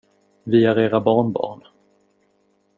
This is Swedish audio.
Vi är era barnbarn.